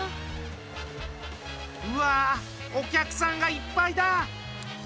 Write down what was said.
うわあ、お客さんがいっぱいだ！